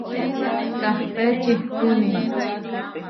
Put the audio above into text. Kahpé čihpúni.